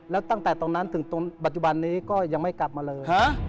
แล้วตั้งแต่ตรงนั้นถึงตรงปัจจุบันนี้ก็ยังไม่กลับมาเลย